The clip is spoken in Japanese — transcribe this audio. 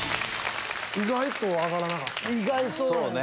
意外と上がらなかったです。